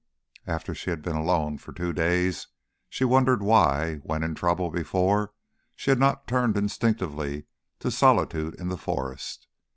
After she had been alone for two days she wondered why, when in trouble before, she had not turned instinctively to solitude in the forest.